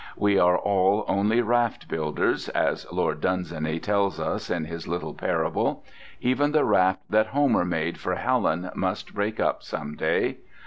We are all only raft builders, as Lord Dunsany tells us in his little parable; even the raft that Homer made for Helen must break up some day.